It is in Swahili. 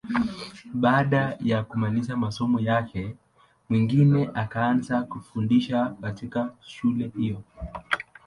Baada ya kumaliza masomo yake, Mwingine akaanza kufundisha katika shule hiyo.